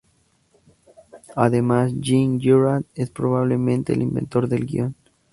Además, Jean Girard es probablemente el inventor del guion.